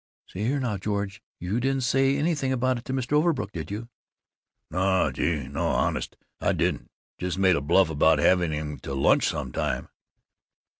"See here, now, George! You didn't say anything about it to Mr. Overbrook, did you?" "No! Gee! No! Honest, I didn't! Just made a bluff about having him to lunch some time."